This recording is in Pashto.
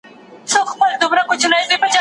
څېړونکی د خپلو هڅو په پایله کي ډېر څه زده کوي.